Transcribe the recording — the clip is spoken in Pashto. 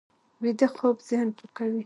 ویده خوب ذهن پاکوي